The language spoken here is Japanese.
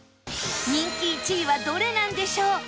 人気１位はどれなんでしょう？